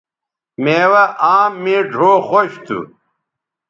میوہ آم مے ڙھؤ خوش تھو